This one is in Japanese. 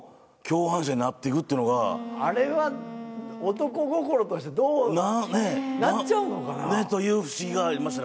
男心としてどうなっちゃうのかな？という不思議がありましたね